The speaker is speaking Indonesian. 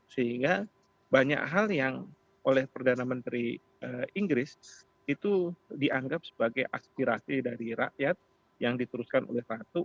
sehingga banyak hal yang oleh perdana menteri inggris itu dianggap sebagai aspirasi dari rakyat yang diteruskan oleh ratu